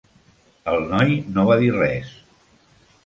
El noi no va dir res.